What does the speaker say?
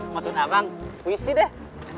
maksud abang puisi deh